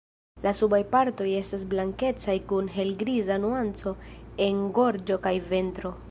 La subaj partoj estas blankecaj kun helgriza nuanco en gorĝo kaj ventro.